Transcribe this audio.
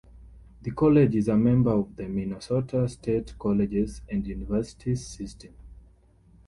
The college is a member of the Minnesota State Colleges and Universities system.